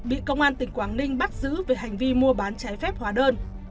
bị công an tỉnh quảng ninh bắt giữ về hành vi mua bán trái phép hóa đơn